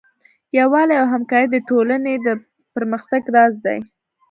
یووالی او همکاري د ټولنې د پرمختګ راز دی.